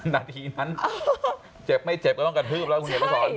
นาทีนั้นเจ็บไม่เจ็บก็ต้องกระทืบแล้วคุณเขียนมาสอน